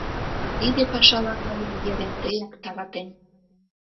Тиде пашалан мыйым Ерентеак таратен.